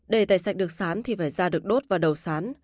để tẩy sạch được sán thì phải da được đốt vào đầu sán